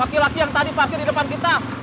laki laki yang tadi parkir di depan kita